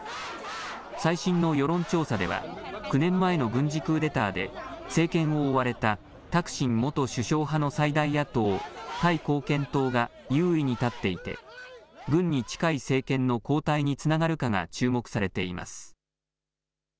最新の世論調査では、９年前の軍事クーデターで、政権を追われたタクシン元首相派の最大野党、タイ貢献党が優位に立っていて、軍に近い政権の交代につながるかが注目されています。